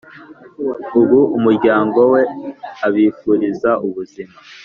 abu umuryango we abifuriza ubuzima